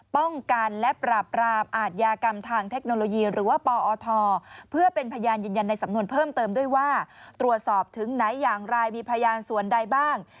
ป้องกันและปราบรามอาทยากรรมทางเทคโนโลยีหรือว่าปอทเพื่อเป็นพยานยืนยันในสำนวนเพิ่มเติมด้วยว่าตรวจสอบถึงไหนอย่างไรมีพยานส่วนใดบ้าง